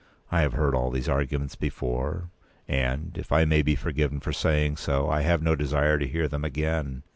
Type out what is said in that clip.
I have heard all these arguments before, and, if I may be forgiven for saying so, I have no desire to hear them again.